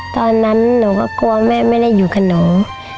ตอนนั้นหนูก็กลัวแม่ไม่ได้อยู่กับหนู